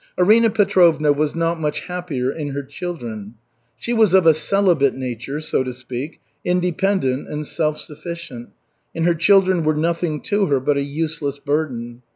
Arina Petrovna was not much happier in her children. She was of a celibate nature, so to speak, independent and self sufficient, and her children were nothing to her but a useless burden.